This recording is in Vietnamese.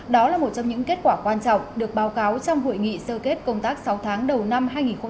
đó là một trong những kết quả quan trọng được báo cáo trong hội nghị sơ kết công tác sáu tháng đầu năm hai nghìn hai mươi ba